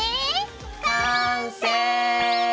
完成！